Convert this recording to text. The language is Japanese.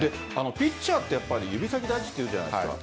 ピッチャーは指先大事というじゃないですか。